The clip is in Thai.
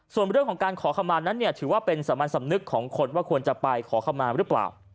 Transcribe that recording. ส่วนเรื่องของการขอขมานั้นเนี่ยถือว่าเป็นสามัญสำนึกของคนว่าควรจะไปขอคำมาหรือเปล่า